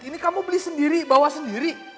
ini kamu beli sendiri bawa sendiri